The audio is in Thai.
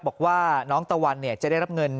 บอกว่าน้องตะวันจะได้รับเงิน